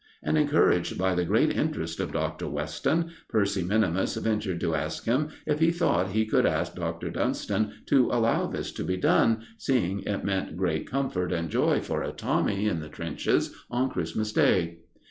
And encouraged by the great interest of Dr. Weston, Percy minimus ventured to ask him if he thought he could ask Dr. Dunston to allow this to be done, seeing it meant great comfort and joy for a Tommy in the trenches on Christmas Day.